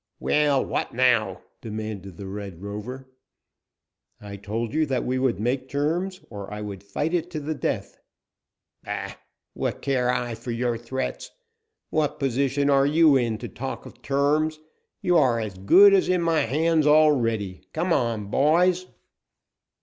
"Well, what now?" demanded the Red Rover. "I told you that we would make terms, or I would fight it to the death." "Bah! what care I for your threats? What position are you in to talk of terms? You are as good as in my hands already. Come on, boys!"